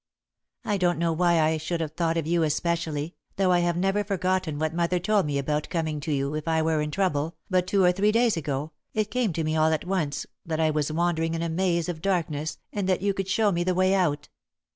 "I don't know why I should have thought of you especially, though I have never forgotten what mother told me about coming to you, if I were in trouble, but two or three days ago, it came to me all at once that I was wandering in a maze of darkness and that you could show me the way out."